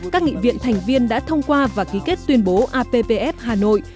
các nghị viện thành viên đã thông qua và ký kết tuyên bố appf hà nội